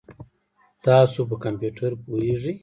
تاسو په کمپیوټر پوهیږئ؟